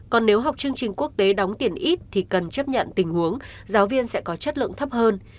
còn nếu học chương trình quốc tế đóng tiền ít thì cần chấp nhận tình huống giáo viên sẽ có chất lượng thấp hơn